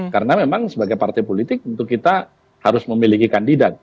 karena memang sebagai partai politik untuk kita harus memiliki kandidat